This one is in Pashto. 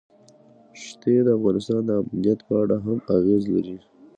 ښتې د افغانستان د امنیت په اړه هم اغېز لري.